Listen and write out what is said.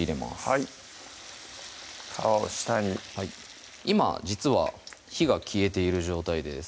はい皮を下にはい今実は火が消えている状態です